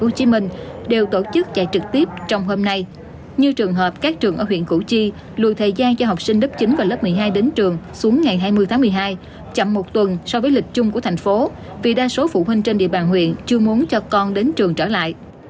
tp hcm đều tổ chức chạy trực tiếp trong hôm nay như trường hợp các trường ở huyện củ chi lùi thời gian cho học sinh lớp chín và lớp một mươi hai đến trường xuống ngày hai mươi tháng một mươi hai chậm một tuần so với lịch chung của thành phố vì đa số phụ huynh trên địa bàn huyện chưa muốn cho con đến trường trở lại